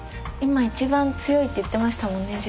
今一番強いって言ってましたもんね